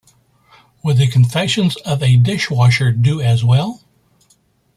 "Would "The Confessions of a Dishwasher" do as well?